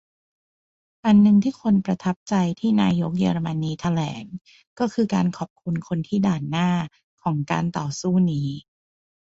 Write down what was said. อันนึงที่คนประทับใจที่นายกเยอรมนีแถลงก็คือ การขอบคุณคนที่ "ด่านหน้า" ของการต่อสู้นี้